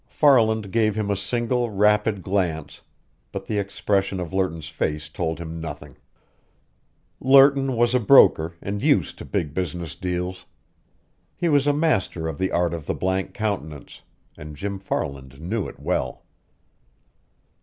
Farland gave him a single, rapid glance, but the expression of Lerton's face told him nothing. Lerton was a broker and used to big business deals. He was a master of the art of the blank countenance, and Jim Farland knew it well.